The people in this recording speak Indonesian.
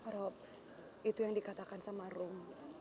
rob itu yang dikatakan sama rom